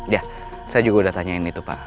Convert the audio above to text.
ya saya juga udah tanyain itu pak